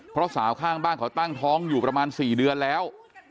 เพราะสาวข้างบ้านเขาตั้งท้องอยู่ประมาณ๔เดือนแล้ว